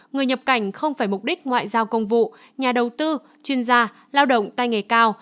người nhập cảnh không phải mục đích ngoại giao công vụ nhà đầu tư chuyên gia lao động tay nghề cao